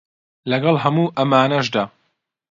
لەگەڵ هەموو ئەمانەشدا